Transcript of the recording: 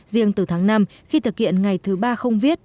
riêng từ tháng năm khi thực hiện ngày thứ ba không viết